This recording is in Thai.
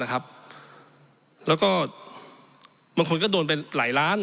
แล้วก็บางคนก็โดนไปหลายล้าน